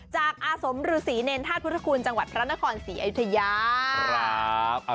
จากอาสมรุศรีเนรทาสพุทธคุณจังหวัดพระนครศรีอยุธยา